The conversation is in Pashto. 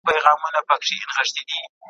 څنګه کولای سو پلاوی د خپلو ګټو لپاره وکاروو؟